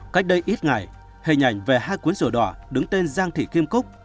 cách đây ít ngày hình ảnh về hai cuốn sổ đỏ đứng tên giang thị kim cúc